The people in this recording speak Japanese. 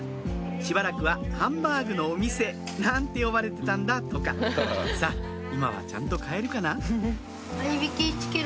しばらくはハンバーグのお店なんて呼ばれてたんだとかさぁ今はちゃんと買えるかな？